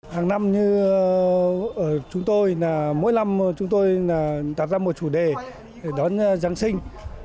hàng năm như chúng tôi mỗi năm chúng tôi tạo ra một chủ đề để đón giáng sinh